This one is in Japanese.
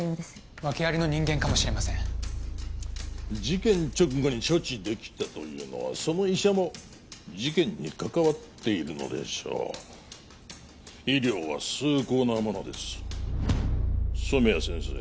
訳ありの人間かもしれません事件直後に処置できたというのはその医者も事件に関わっているのでしょう医療は崇高なものです染谷先生